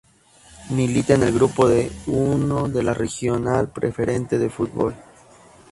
Milita en el grupo I de la Regional Preferente de fútbol.